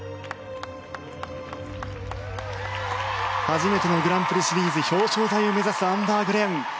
初めてのグランプリシリーズ表彰台を目指すアンバー・グレン。